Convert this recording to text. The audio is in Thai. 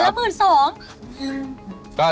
ใจวันละ๑๒๐๐๐ค่ะ